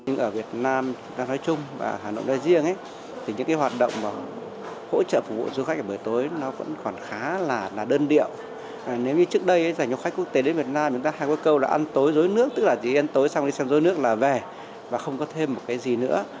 nếu như trước đây giải du khách quốc tế đến việt nam chúng ta hay có câu là ăn tối rối nước tức là gì ăn tối xong đi xem rối nước là về và không có thêm một cái gì nữa